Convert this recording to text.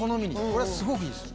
これはすごくいいです。